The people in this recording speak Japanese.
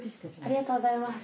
ありがとうございます。